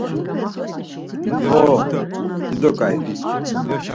Xo, dido ǩai.